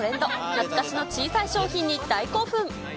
懐かしの小さい商品に大興奮。